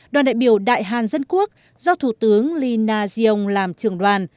đoàn đại biểu đại hàn dân quốc do thủ tướng li na ziong làm trưởng đoàn